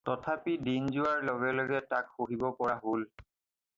তথাপি দিন যোৱাৰ লগে লগে তাক সহিব পৰা হ'ল।